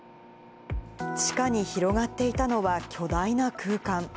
地下に広がっていたのは巨大な空間。